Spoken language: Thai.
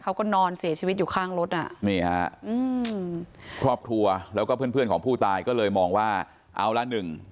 เขาก็นอนเสียชีวิตอยู่ข้างรถครอบครัวแล้วก็เพื่อนของผู้ตายก็เลยมองว่าเอาละหนึ่ง